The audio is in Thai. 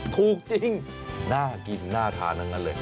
ถูกจริงน่ากินน่าทานทั้งนั้นเลย